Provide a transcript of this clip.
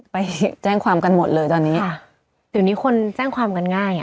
ไปแจ้งความกันหมดเลยตอนนี้เดี๋ยวนี้คนแจ้งความกันง่ายอ่ะ